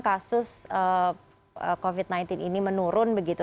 kasus covid sembilan belas ini menurun begitu